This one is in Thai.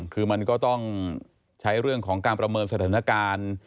คือมันก็ต้องใช้เรื่องของการประเมินสถานการณ์